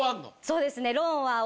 そうですね。